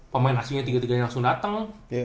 pemain asingnya tiga tiganya langsung datang